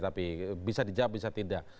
tapi bisa dijawab bisa tidak